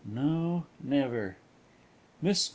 No, never. MISS F.